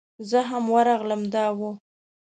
زه هم ورغلم دا و.